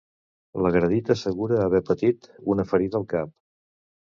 L'agredit assegura haver patit una ferida al cap.